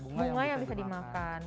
bunga yang bisa dimakan